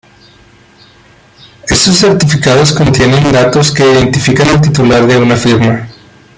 Esos certificados contienen datos que identifican al titular de una firma.